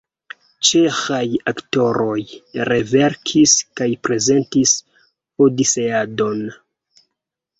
Ĉeĥaj aktoroj reverkis kaj prezentis Odiseadon.